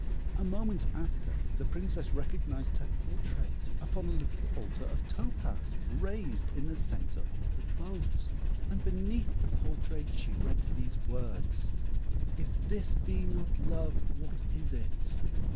A moment after, the Princess recognised her portrait upon a little altar of topaz, raised in the centre of the boat; and beneath the portrait she read these words. "If this be not love, what is it?"